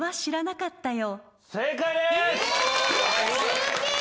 すげえ！